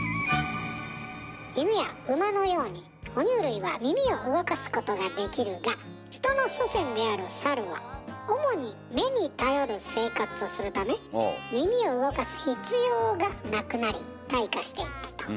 イヌやウマのようにほ乳類は耳を動かすことができるがヒトの祖先であるサルは主に目に頼る生活をするため耳を動かす必要がなくなり退化していったと。